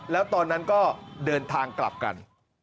แล้วตอนนั้นก็เดินทางกลับกัน